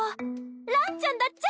ランちゃんだっちゃ！